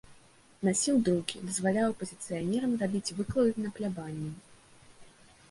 Насіў друкі, дазваляў апазіцыянерам рабіць выклады на плябаніі.